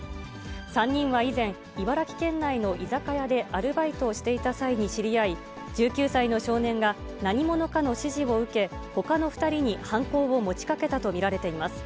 ３人は以前、茨城県内の居酒屋でアルバイトをしていた際に知り合い、１９歳の少年が、何者かの指示を受け、ほかの２人に犯行を持ちかけたと見られています。